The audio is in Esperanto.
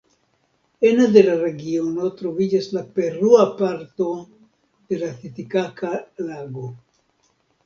Ene de la regiono troviĝas la perua parto de la Titikaka-lago.